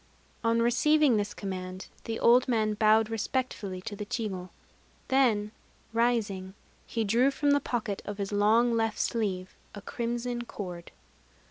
On receiving this command, the old man bowed respectfully to the chigo: then, rising, he drew from the pocket of his long left sleeve a crimson cord.